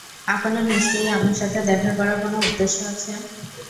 আপনার নিশ্চয়ই আমার সাথে দেখা করার কোন উদ্দেশ্য আছে?